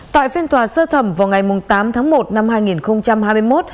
tại phiên tòa sơ thẩm vào ngày tám tháng một năm hai nghìn hai mươi một